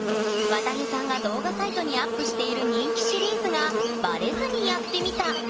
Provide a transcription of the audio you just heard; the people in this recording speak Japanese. わたげさんが動画サイトにアップしている人気シリーズが「バレずにやってみた」。